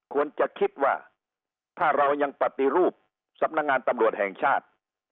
ควรจะคิดว่าถ้าเรายังปฏิรูปสำนักงานตำรวจแห่งชาติ